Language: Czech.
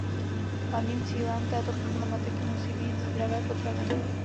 Hlavním cílem této problematiky musí být zdravé potraviny.